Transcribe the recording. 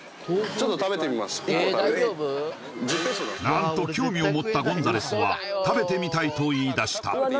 何と興味を持ったゴンザレスは食べてみたいと言いだした